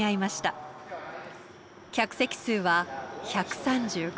客席数は１３５。